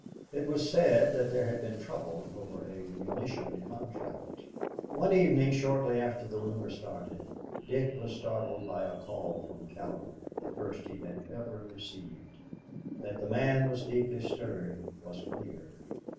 It was said that there had been trouble over a munition contract. One evening shortly after the rumor started, Dick was startled by a call from Cowder, the first he had ever received. That the man was deeply stirred was clear.